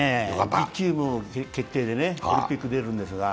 １チーム決定で、オリンピックに出るんですが。